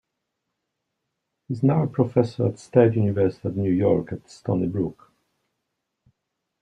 He is now a professor at State University of New York at Stony Brook.